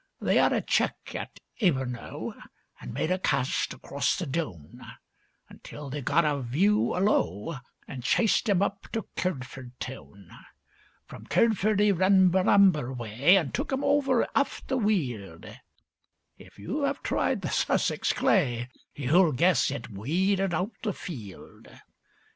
They 'ad a check at Ebernoe An' made a cast across the Down, Until they got a view 'ullo An' chased 'im up to Kirdford town. From Kirdford 'e run Bramber way, An' took 'em over 'alf the Weald. If you 'ave tried the Sussex clay, You'll guess it weeded out the field.